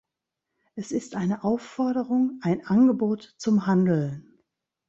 Es ist eine Aufforderung, ein Angebot zum Handeln.